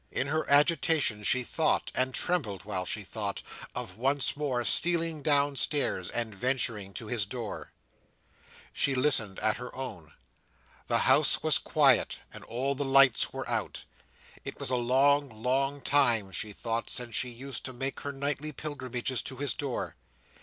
In her agitation she thought, and trembled while she thought, of once more stealing downstairs, and venturing to his door. She listened at her own. The house was quiet, and all the lights were out. It was a long, long time, she thought, since she used to make her nightly pilgrimages to his door!